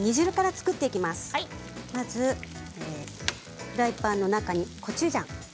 まずフライパンの中にコチュジャンです。